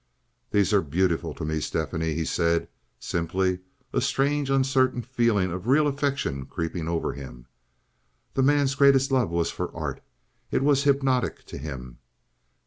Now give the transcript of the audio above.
"These are beautiful to me, Stephanie," he said, simply, a strange, uncertain feeling of real affection creeping over him. The man's greatest love was for art. It was hypnotic to him.